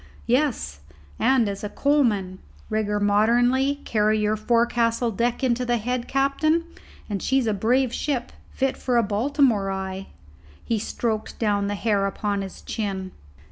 "Yes, and as a coalman. Rig her modernly, and carry your forecastle deck into the head, captain, and she's a brave ship, fit for a Baltimore eye." He stroked down the hair upon his chin.